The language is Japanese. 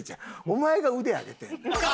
お前が腕上げてんねん。